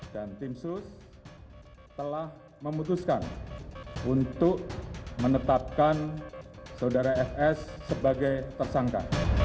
dan tim sus telah memutuskan untuk menetapkan saudara fs sebagai tersangka